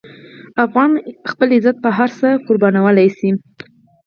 افغان خپل عزت په هر څه قربانولی شي.